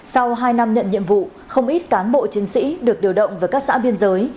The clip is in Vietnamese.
sau hai năm nhận nhiệm vụ không ít cán bộ chiến sĩ được điều động về các xã biên giới